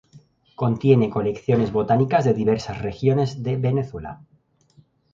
Contiene colecciones botánicas de diversas regiones de Venezuela.